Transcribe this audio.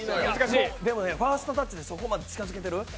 でもファーストタッチでそこまで近づけてる？